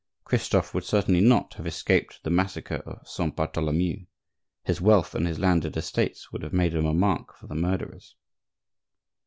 Christophe would certainly not have escaped the massacre of Saint Bartholomew; his wealth and his landed estates would have made him a mark for the murderers.